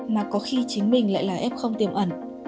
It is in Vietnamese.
mà có khi chính mình lại là f không tiềm ẩn